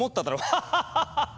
ハハハハハ！